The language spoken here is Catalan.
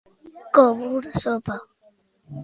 Com una sopa.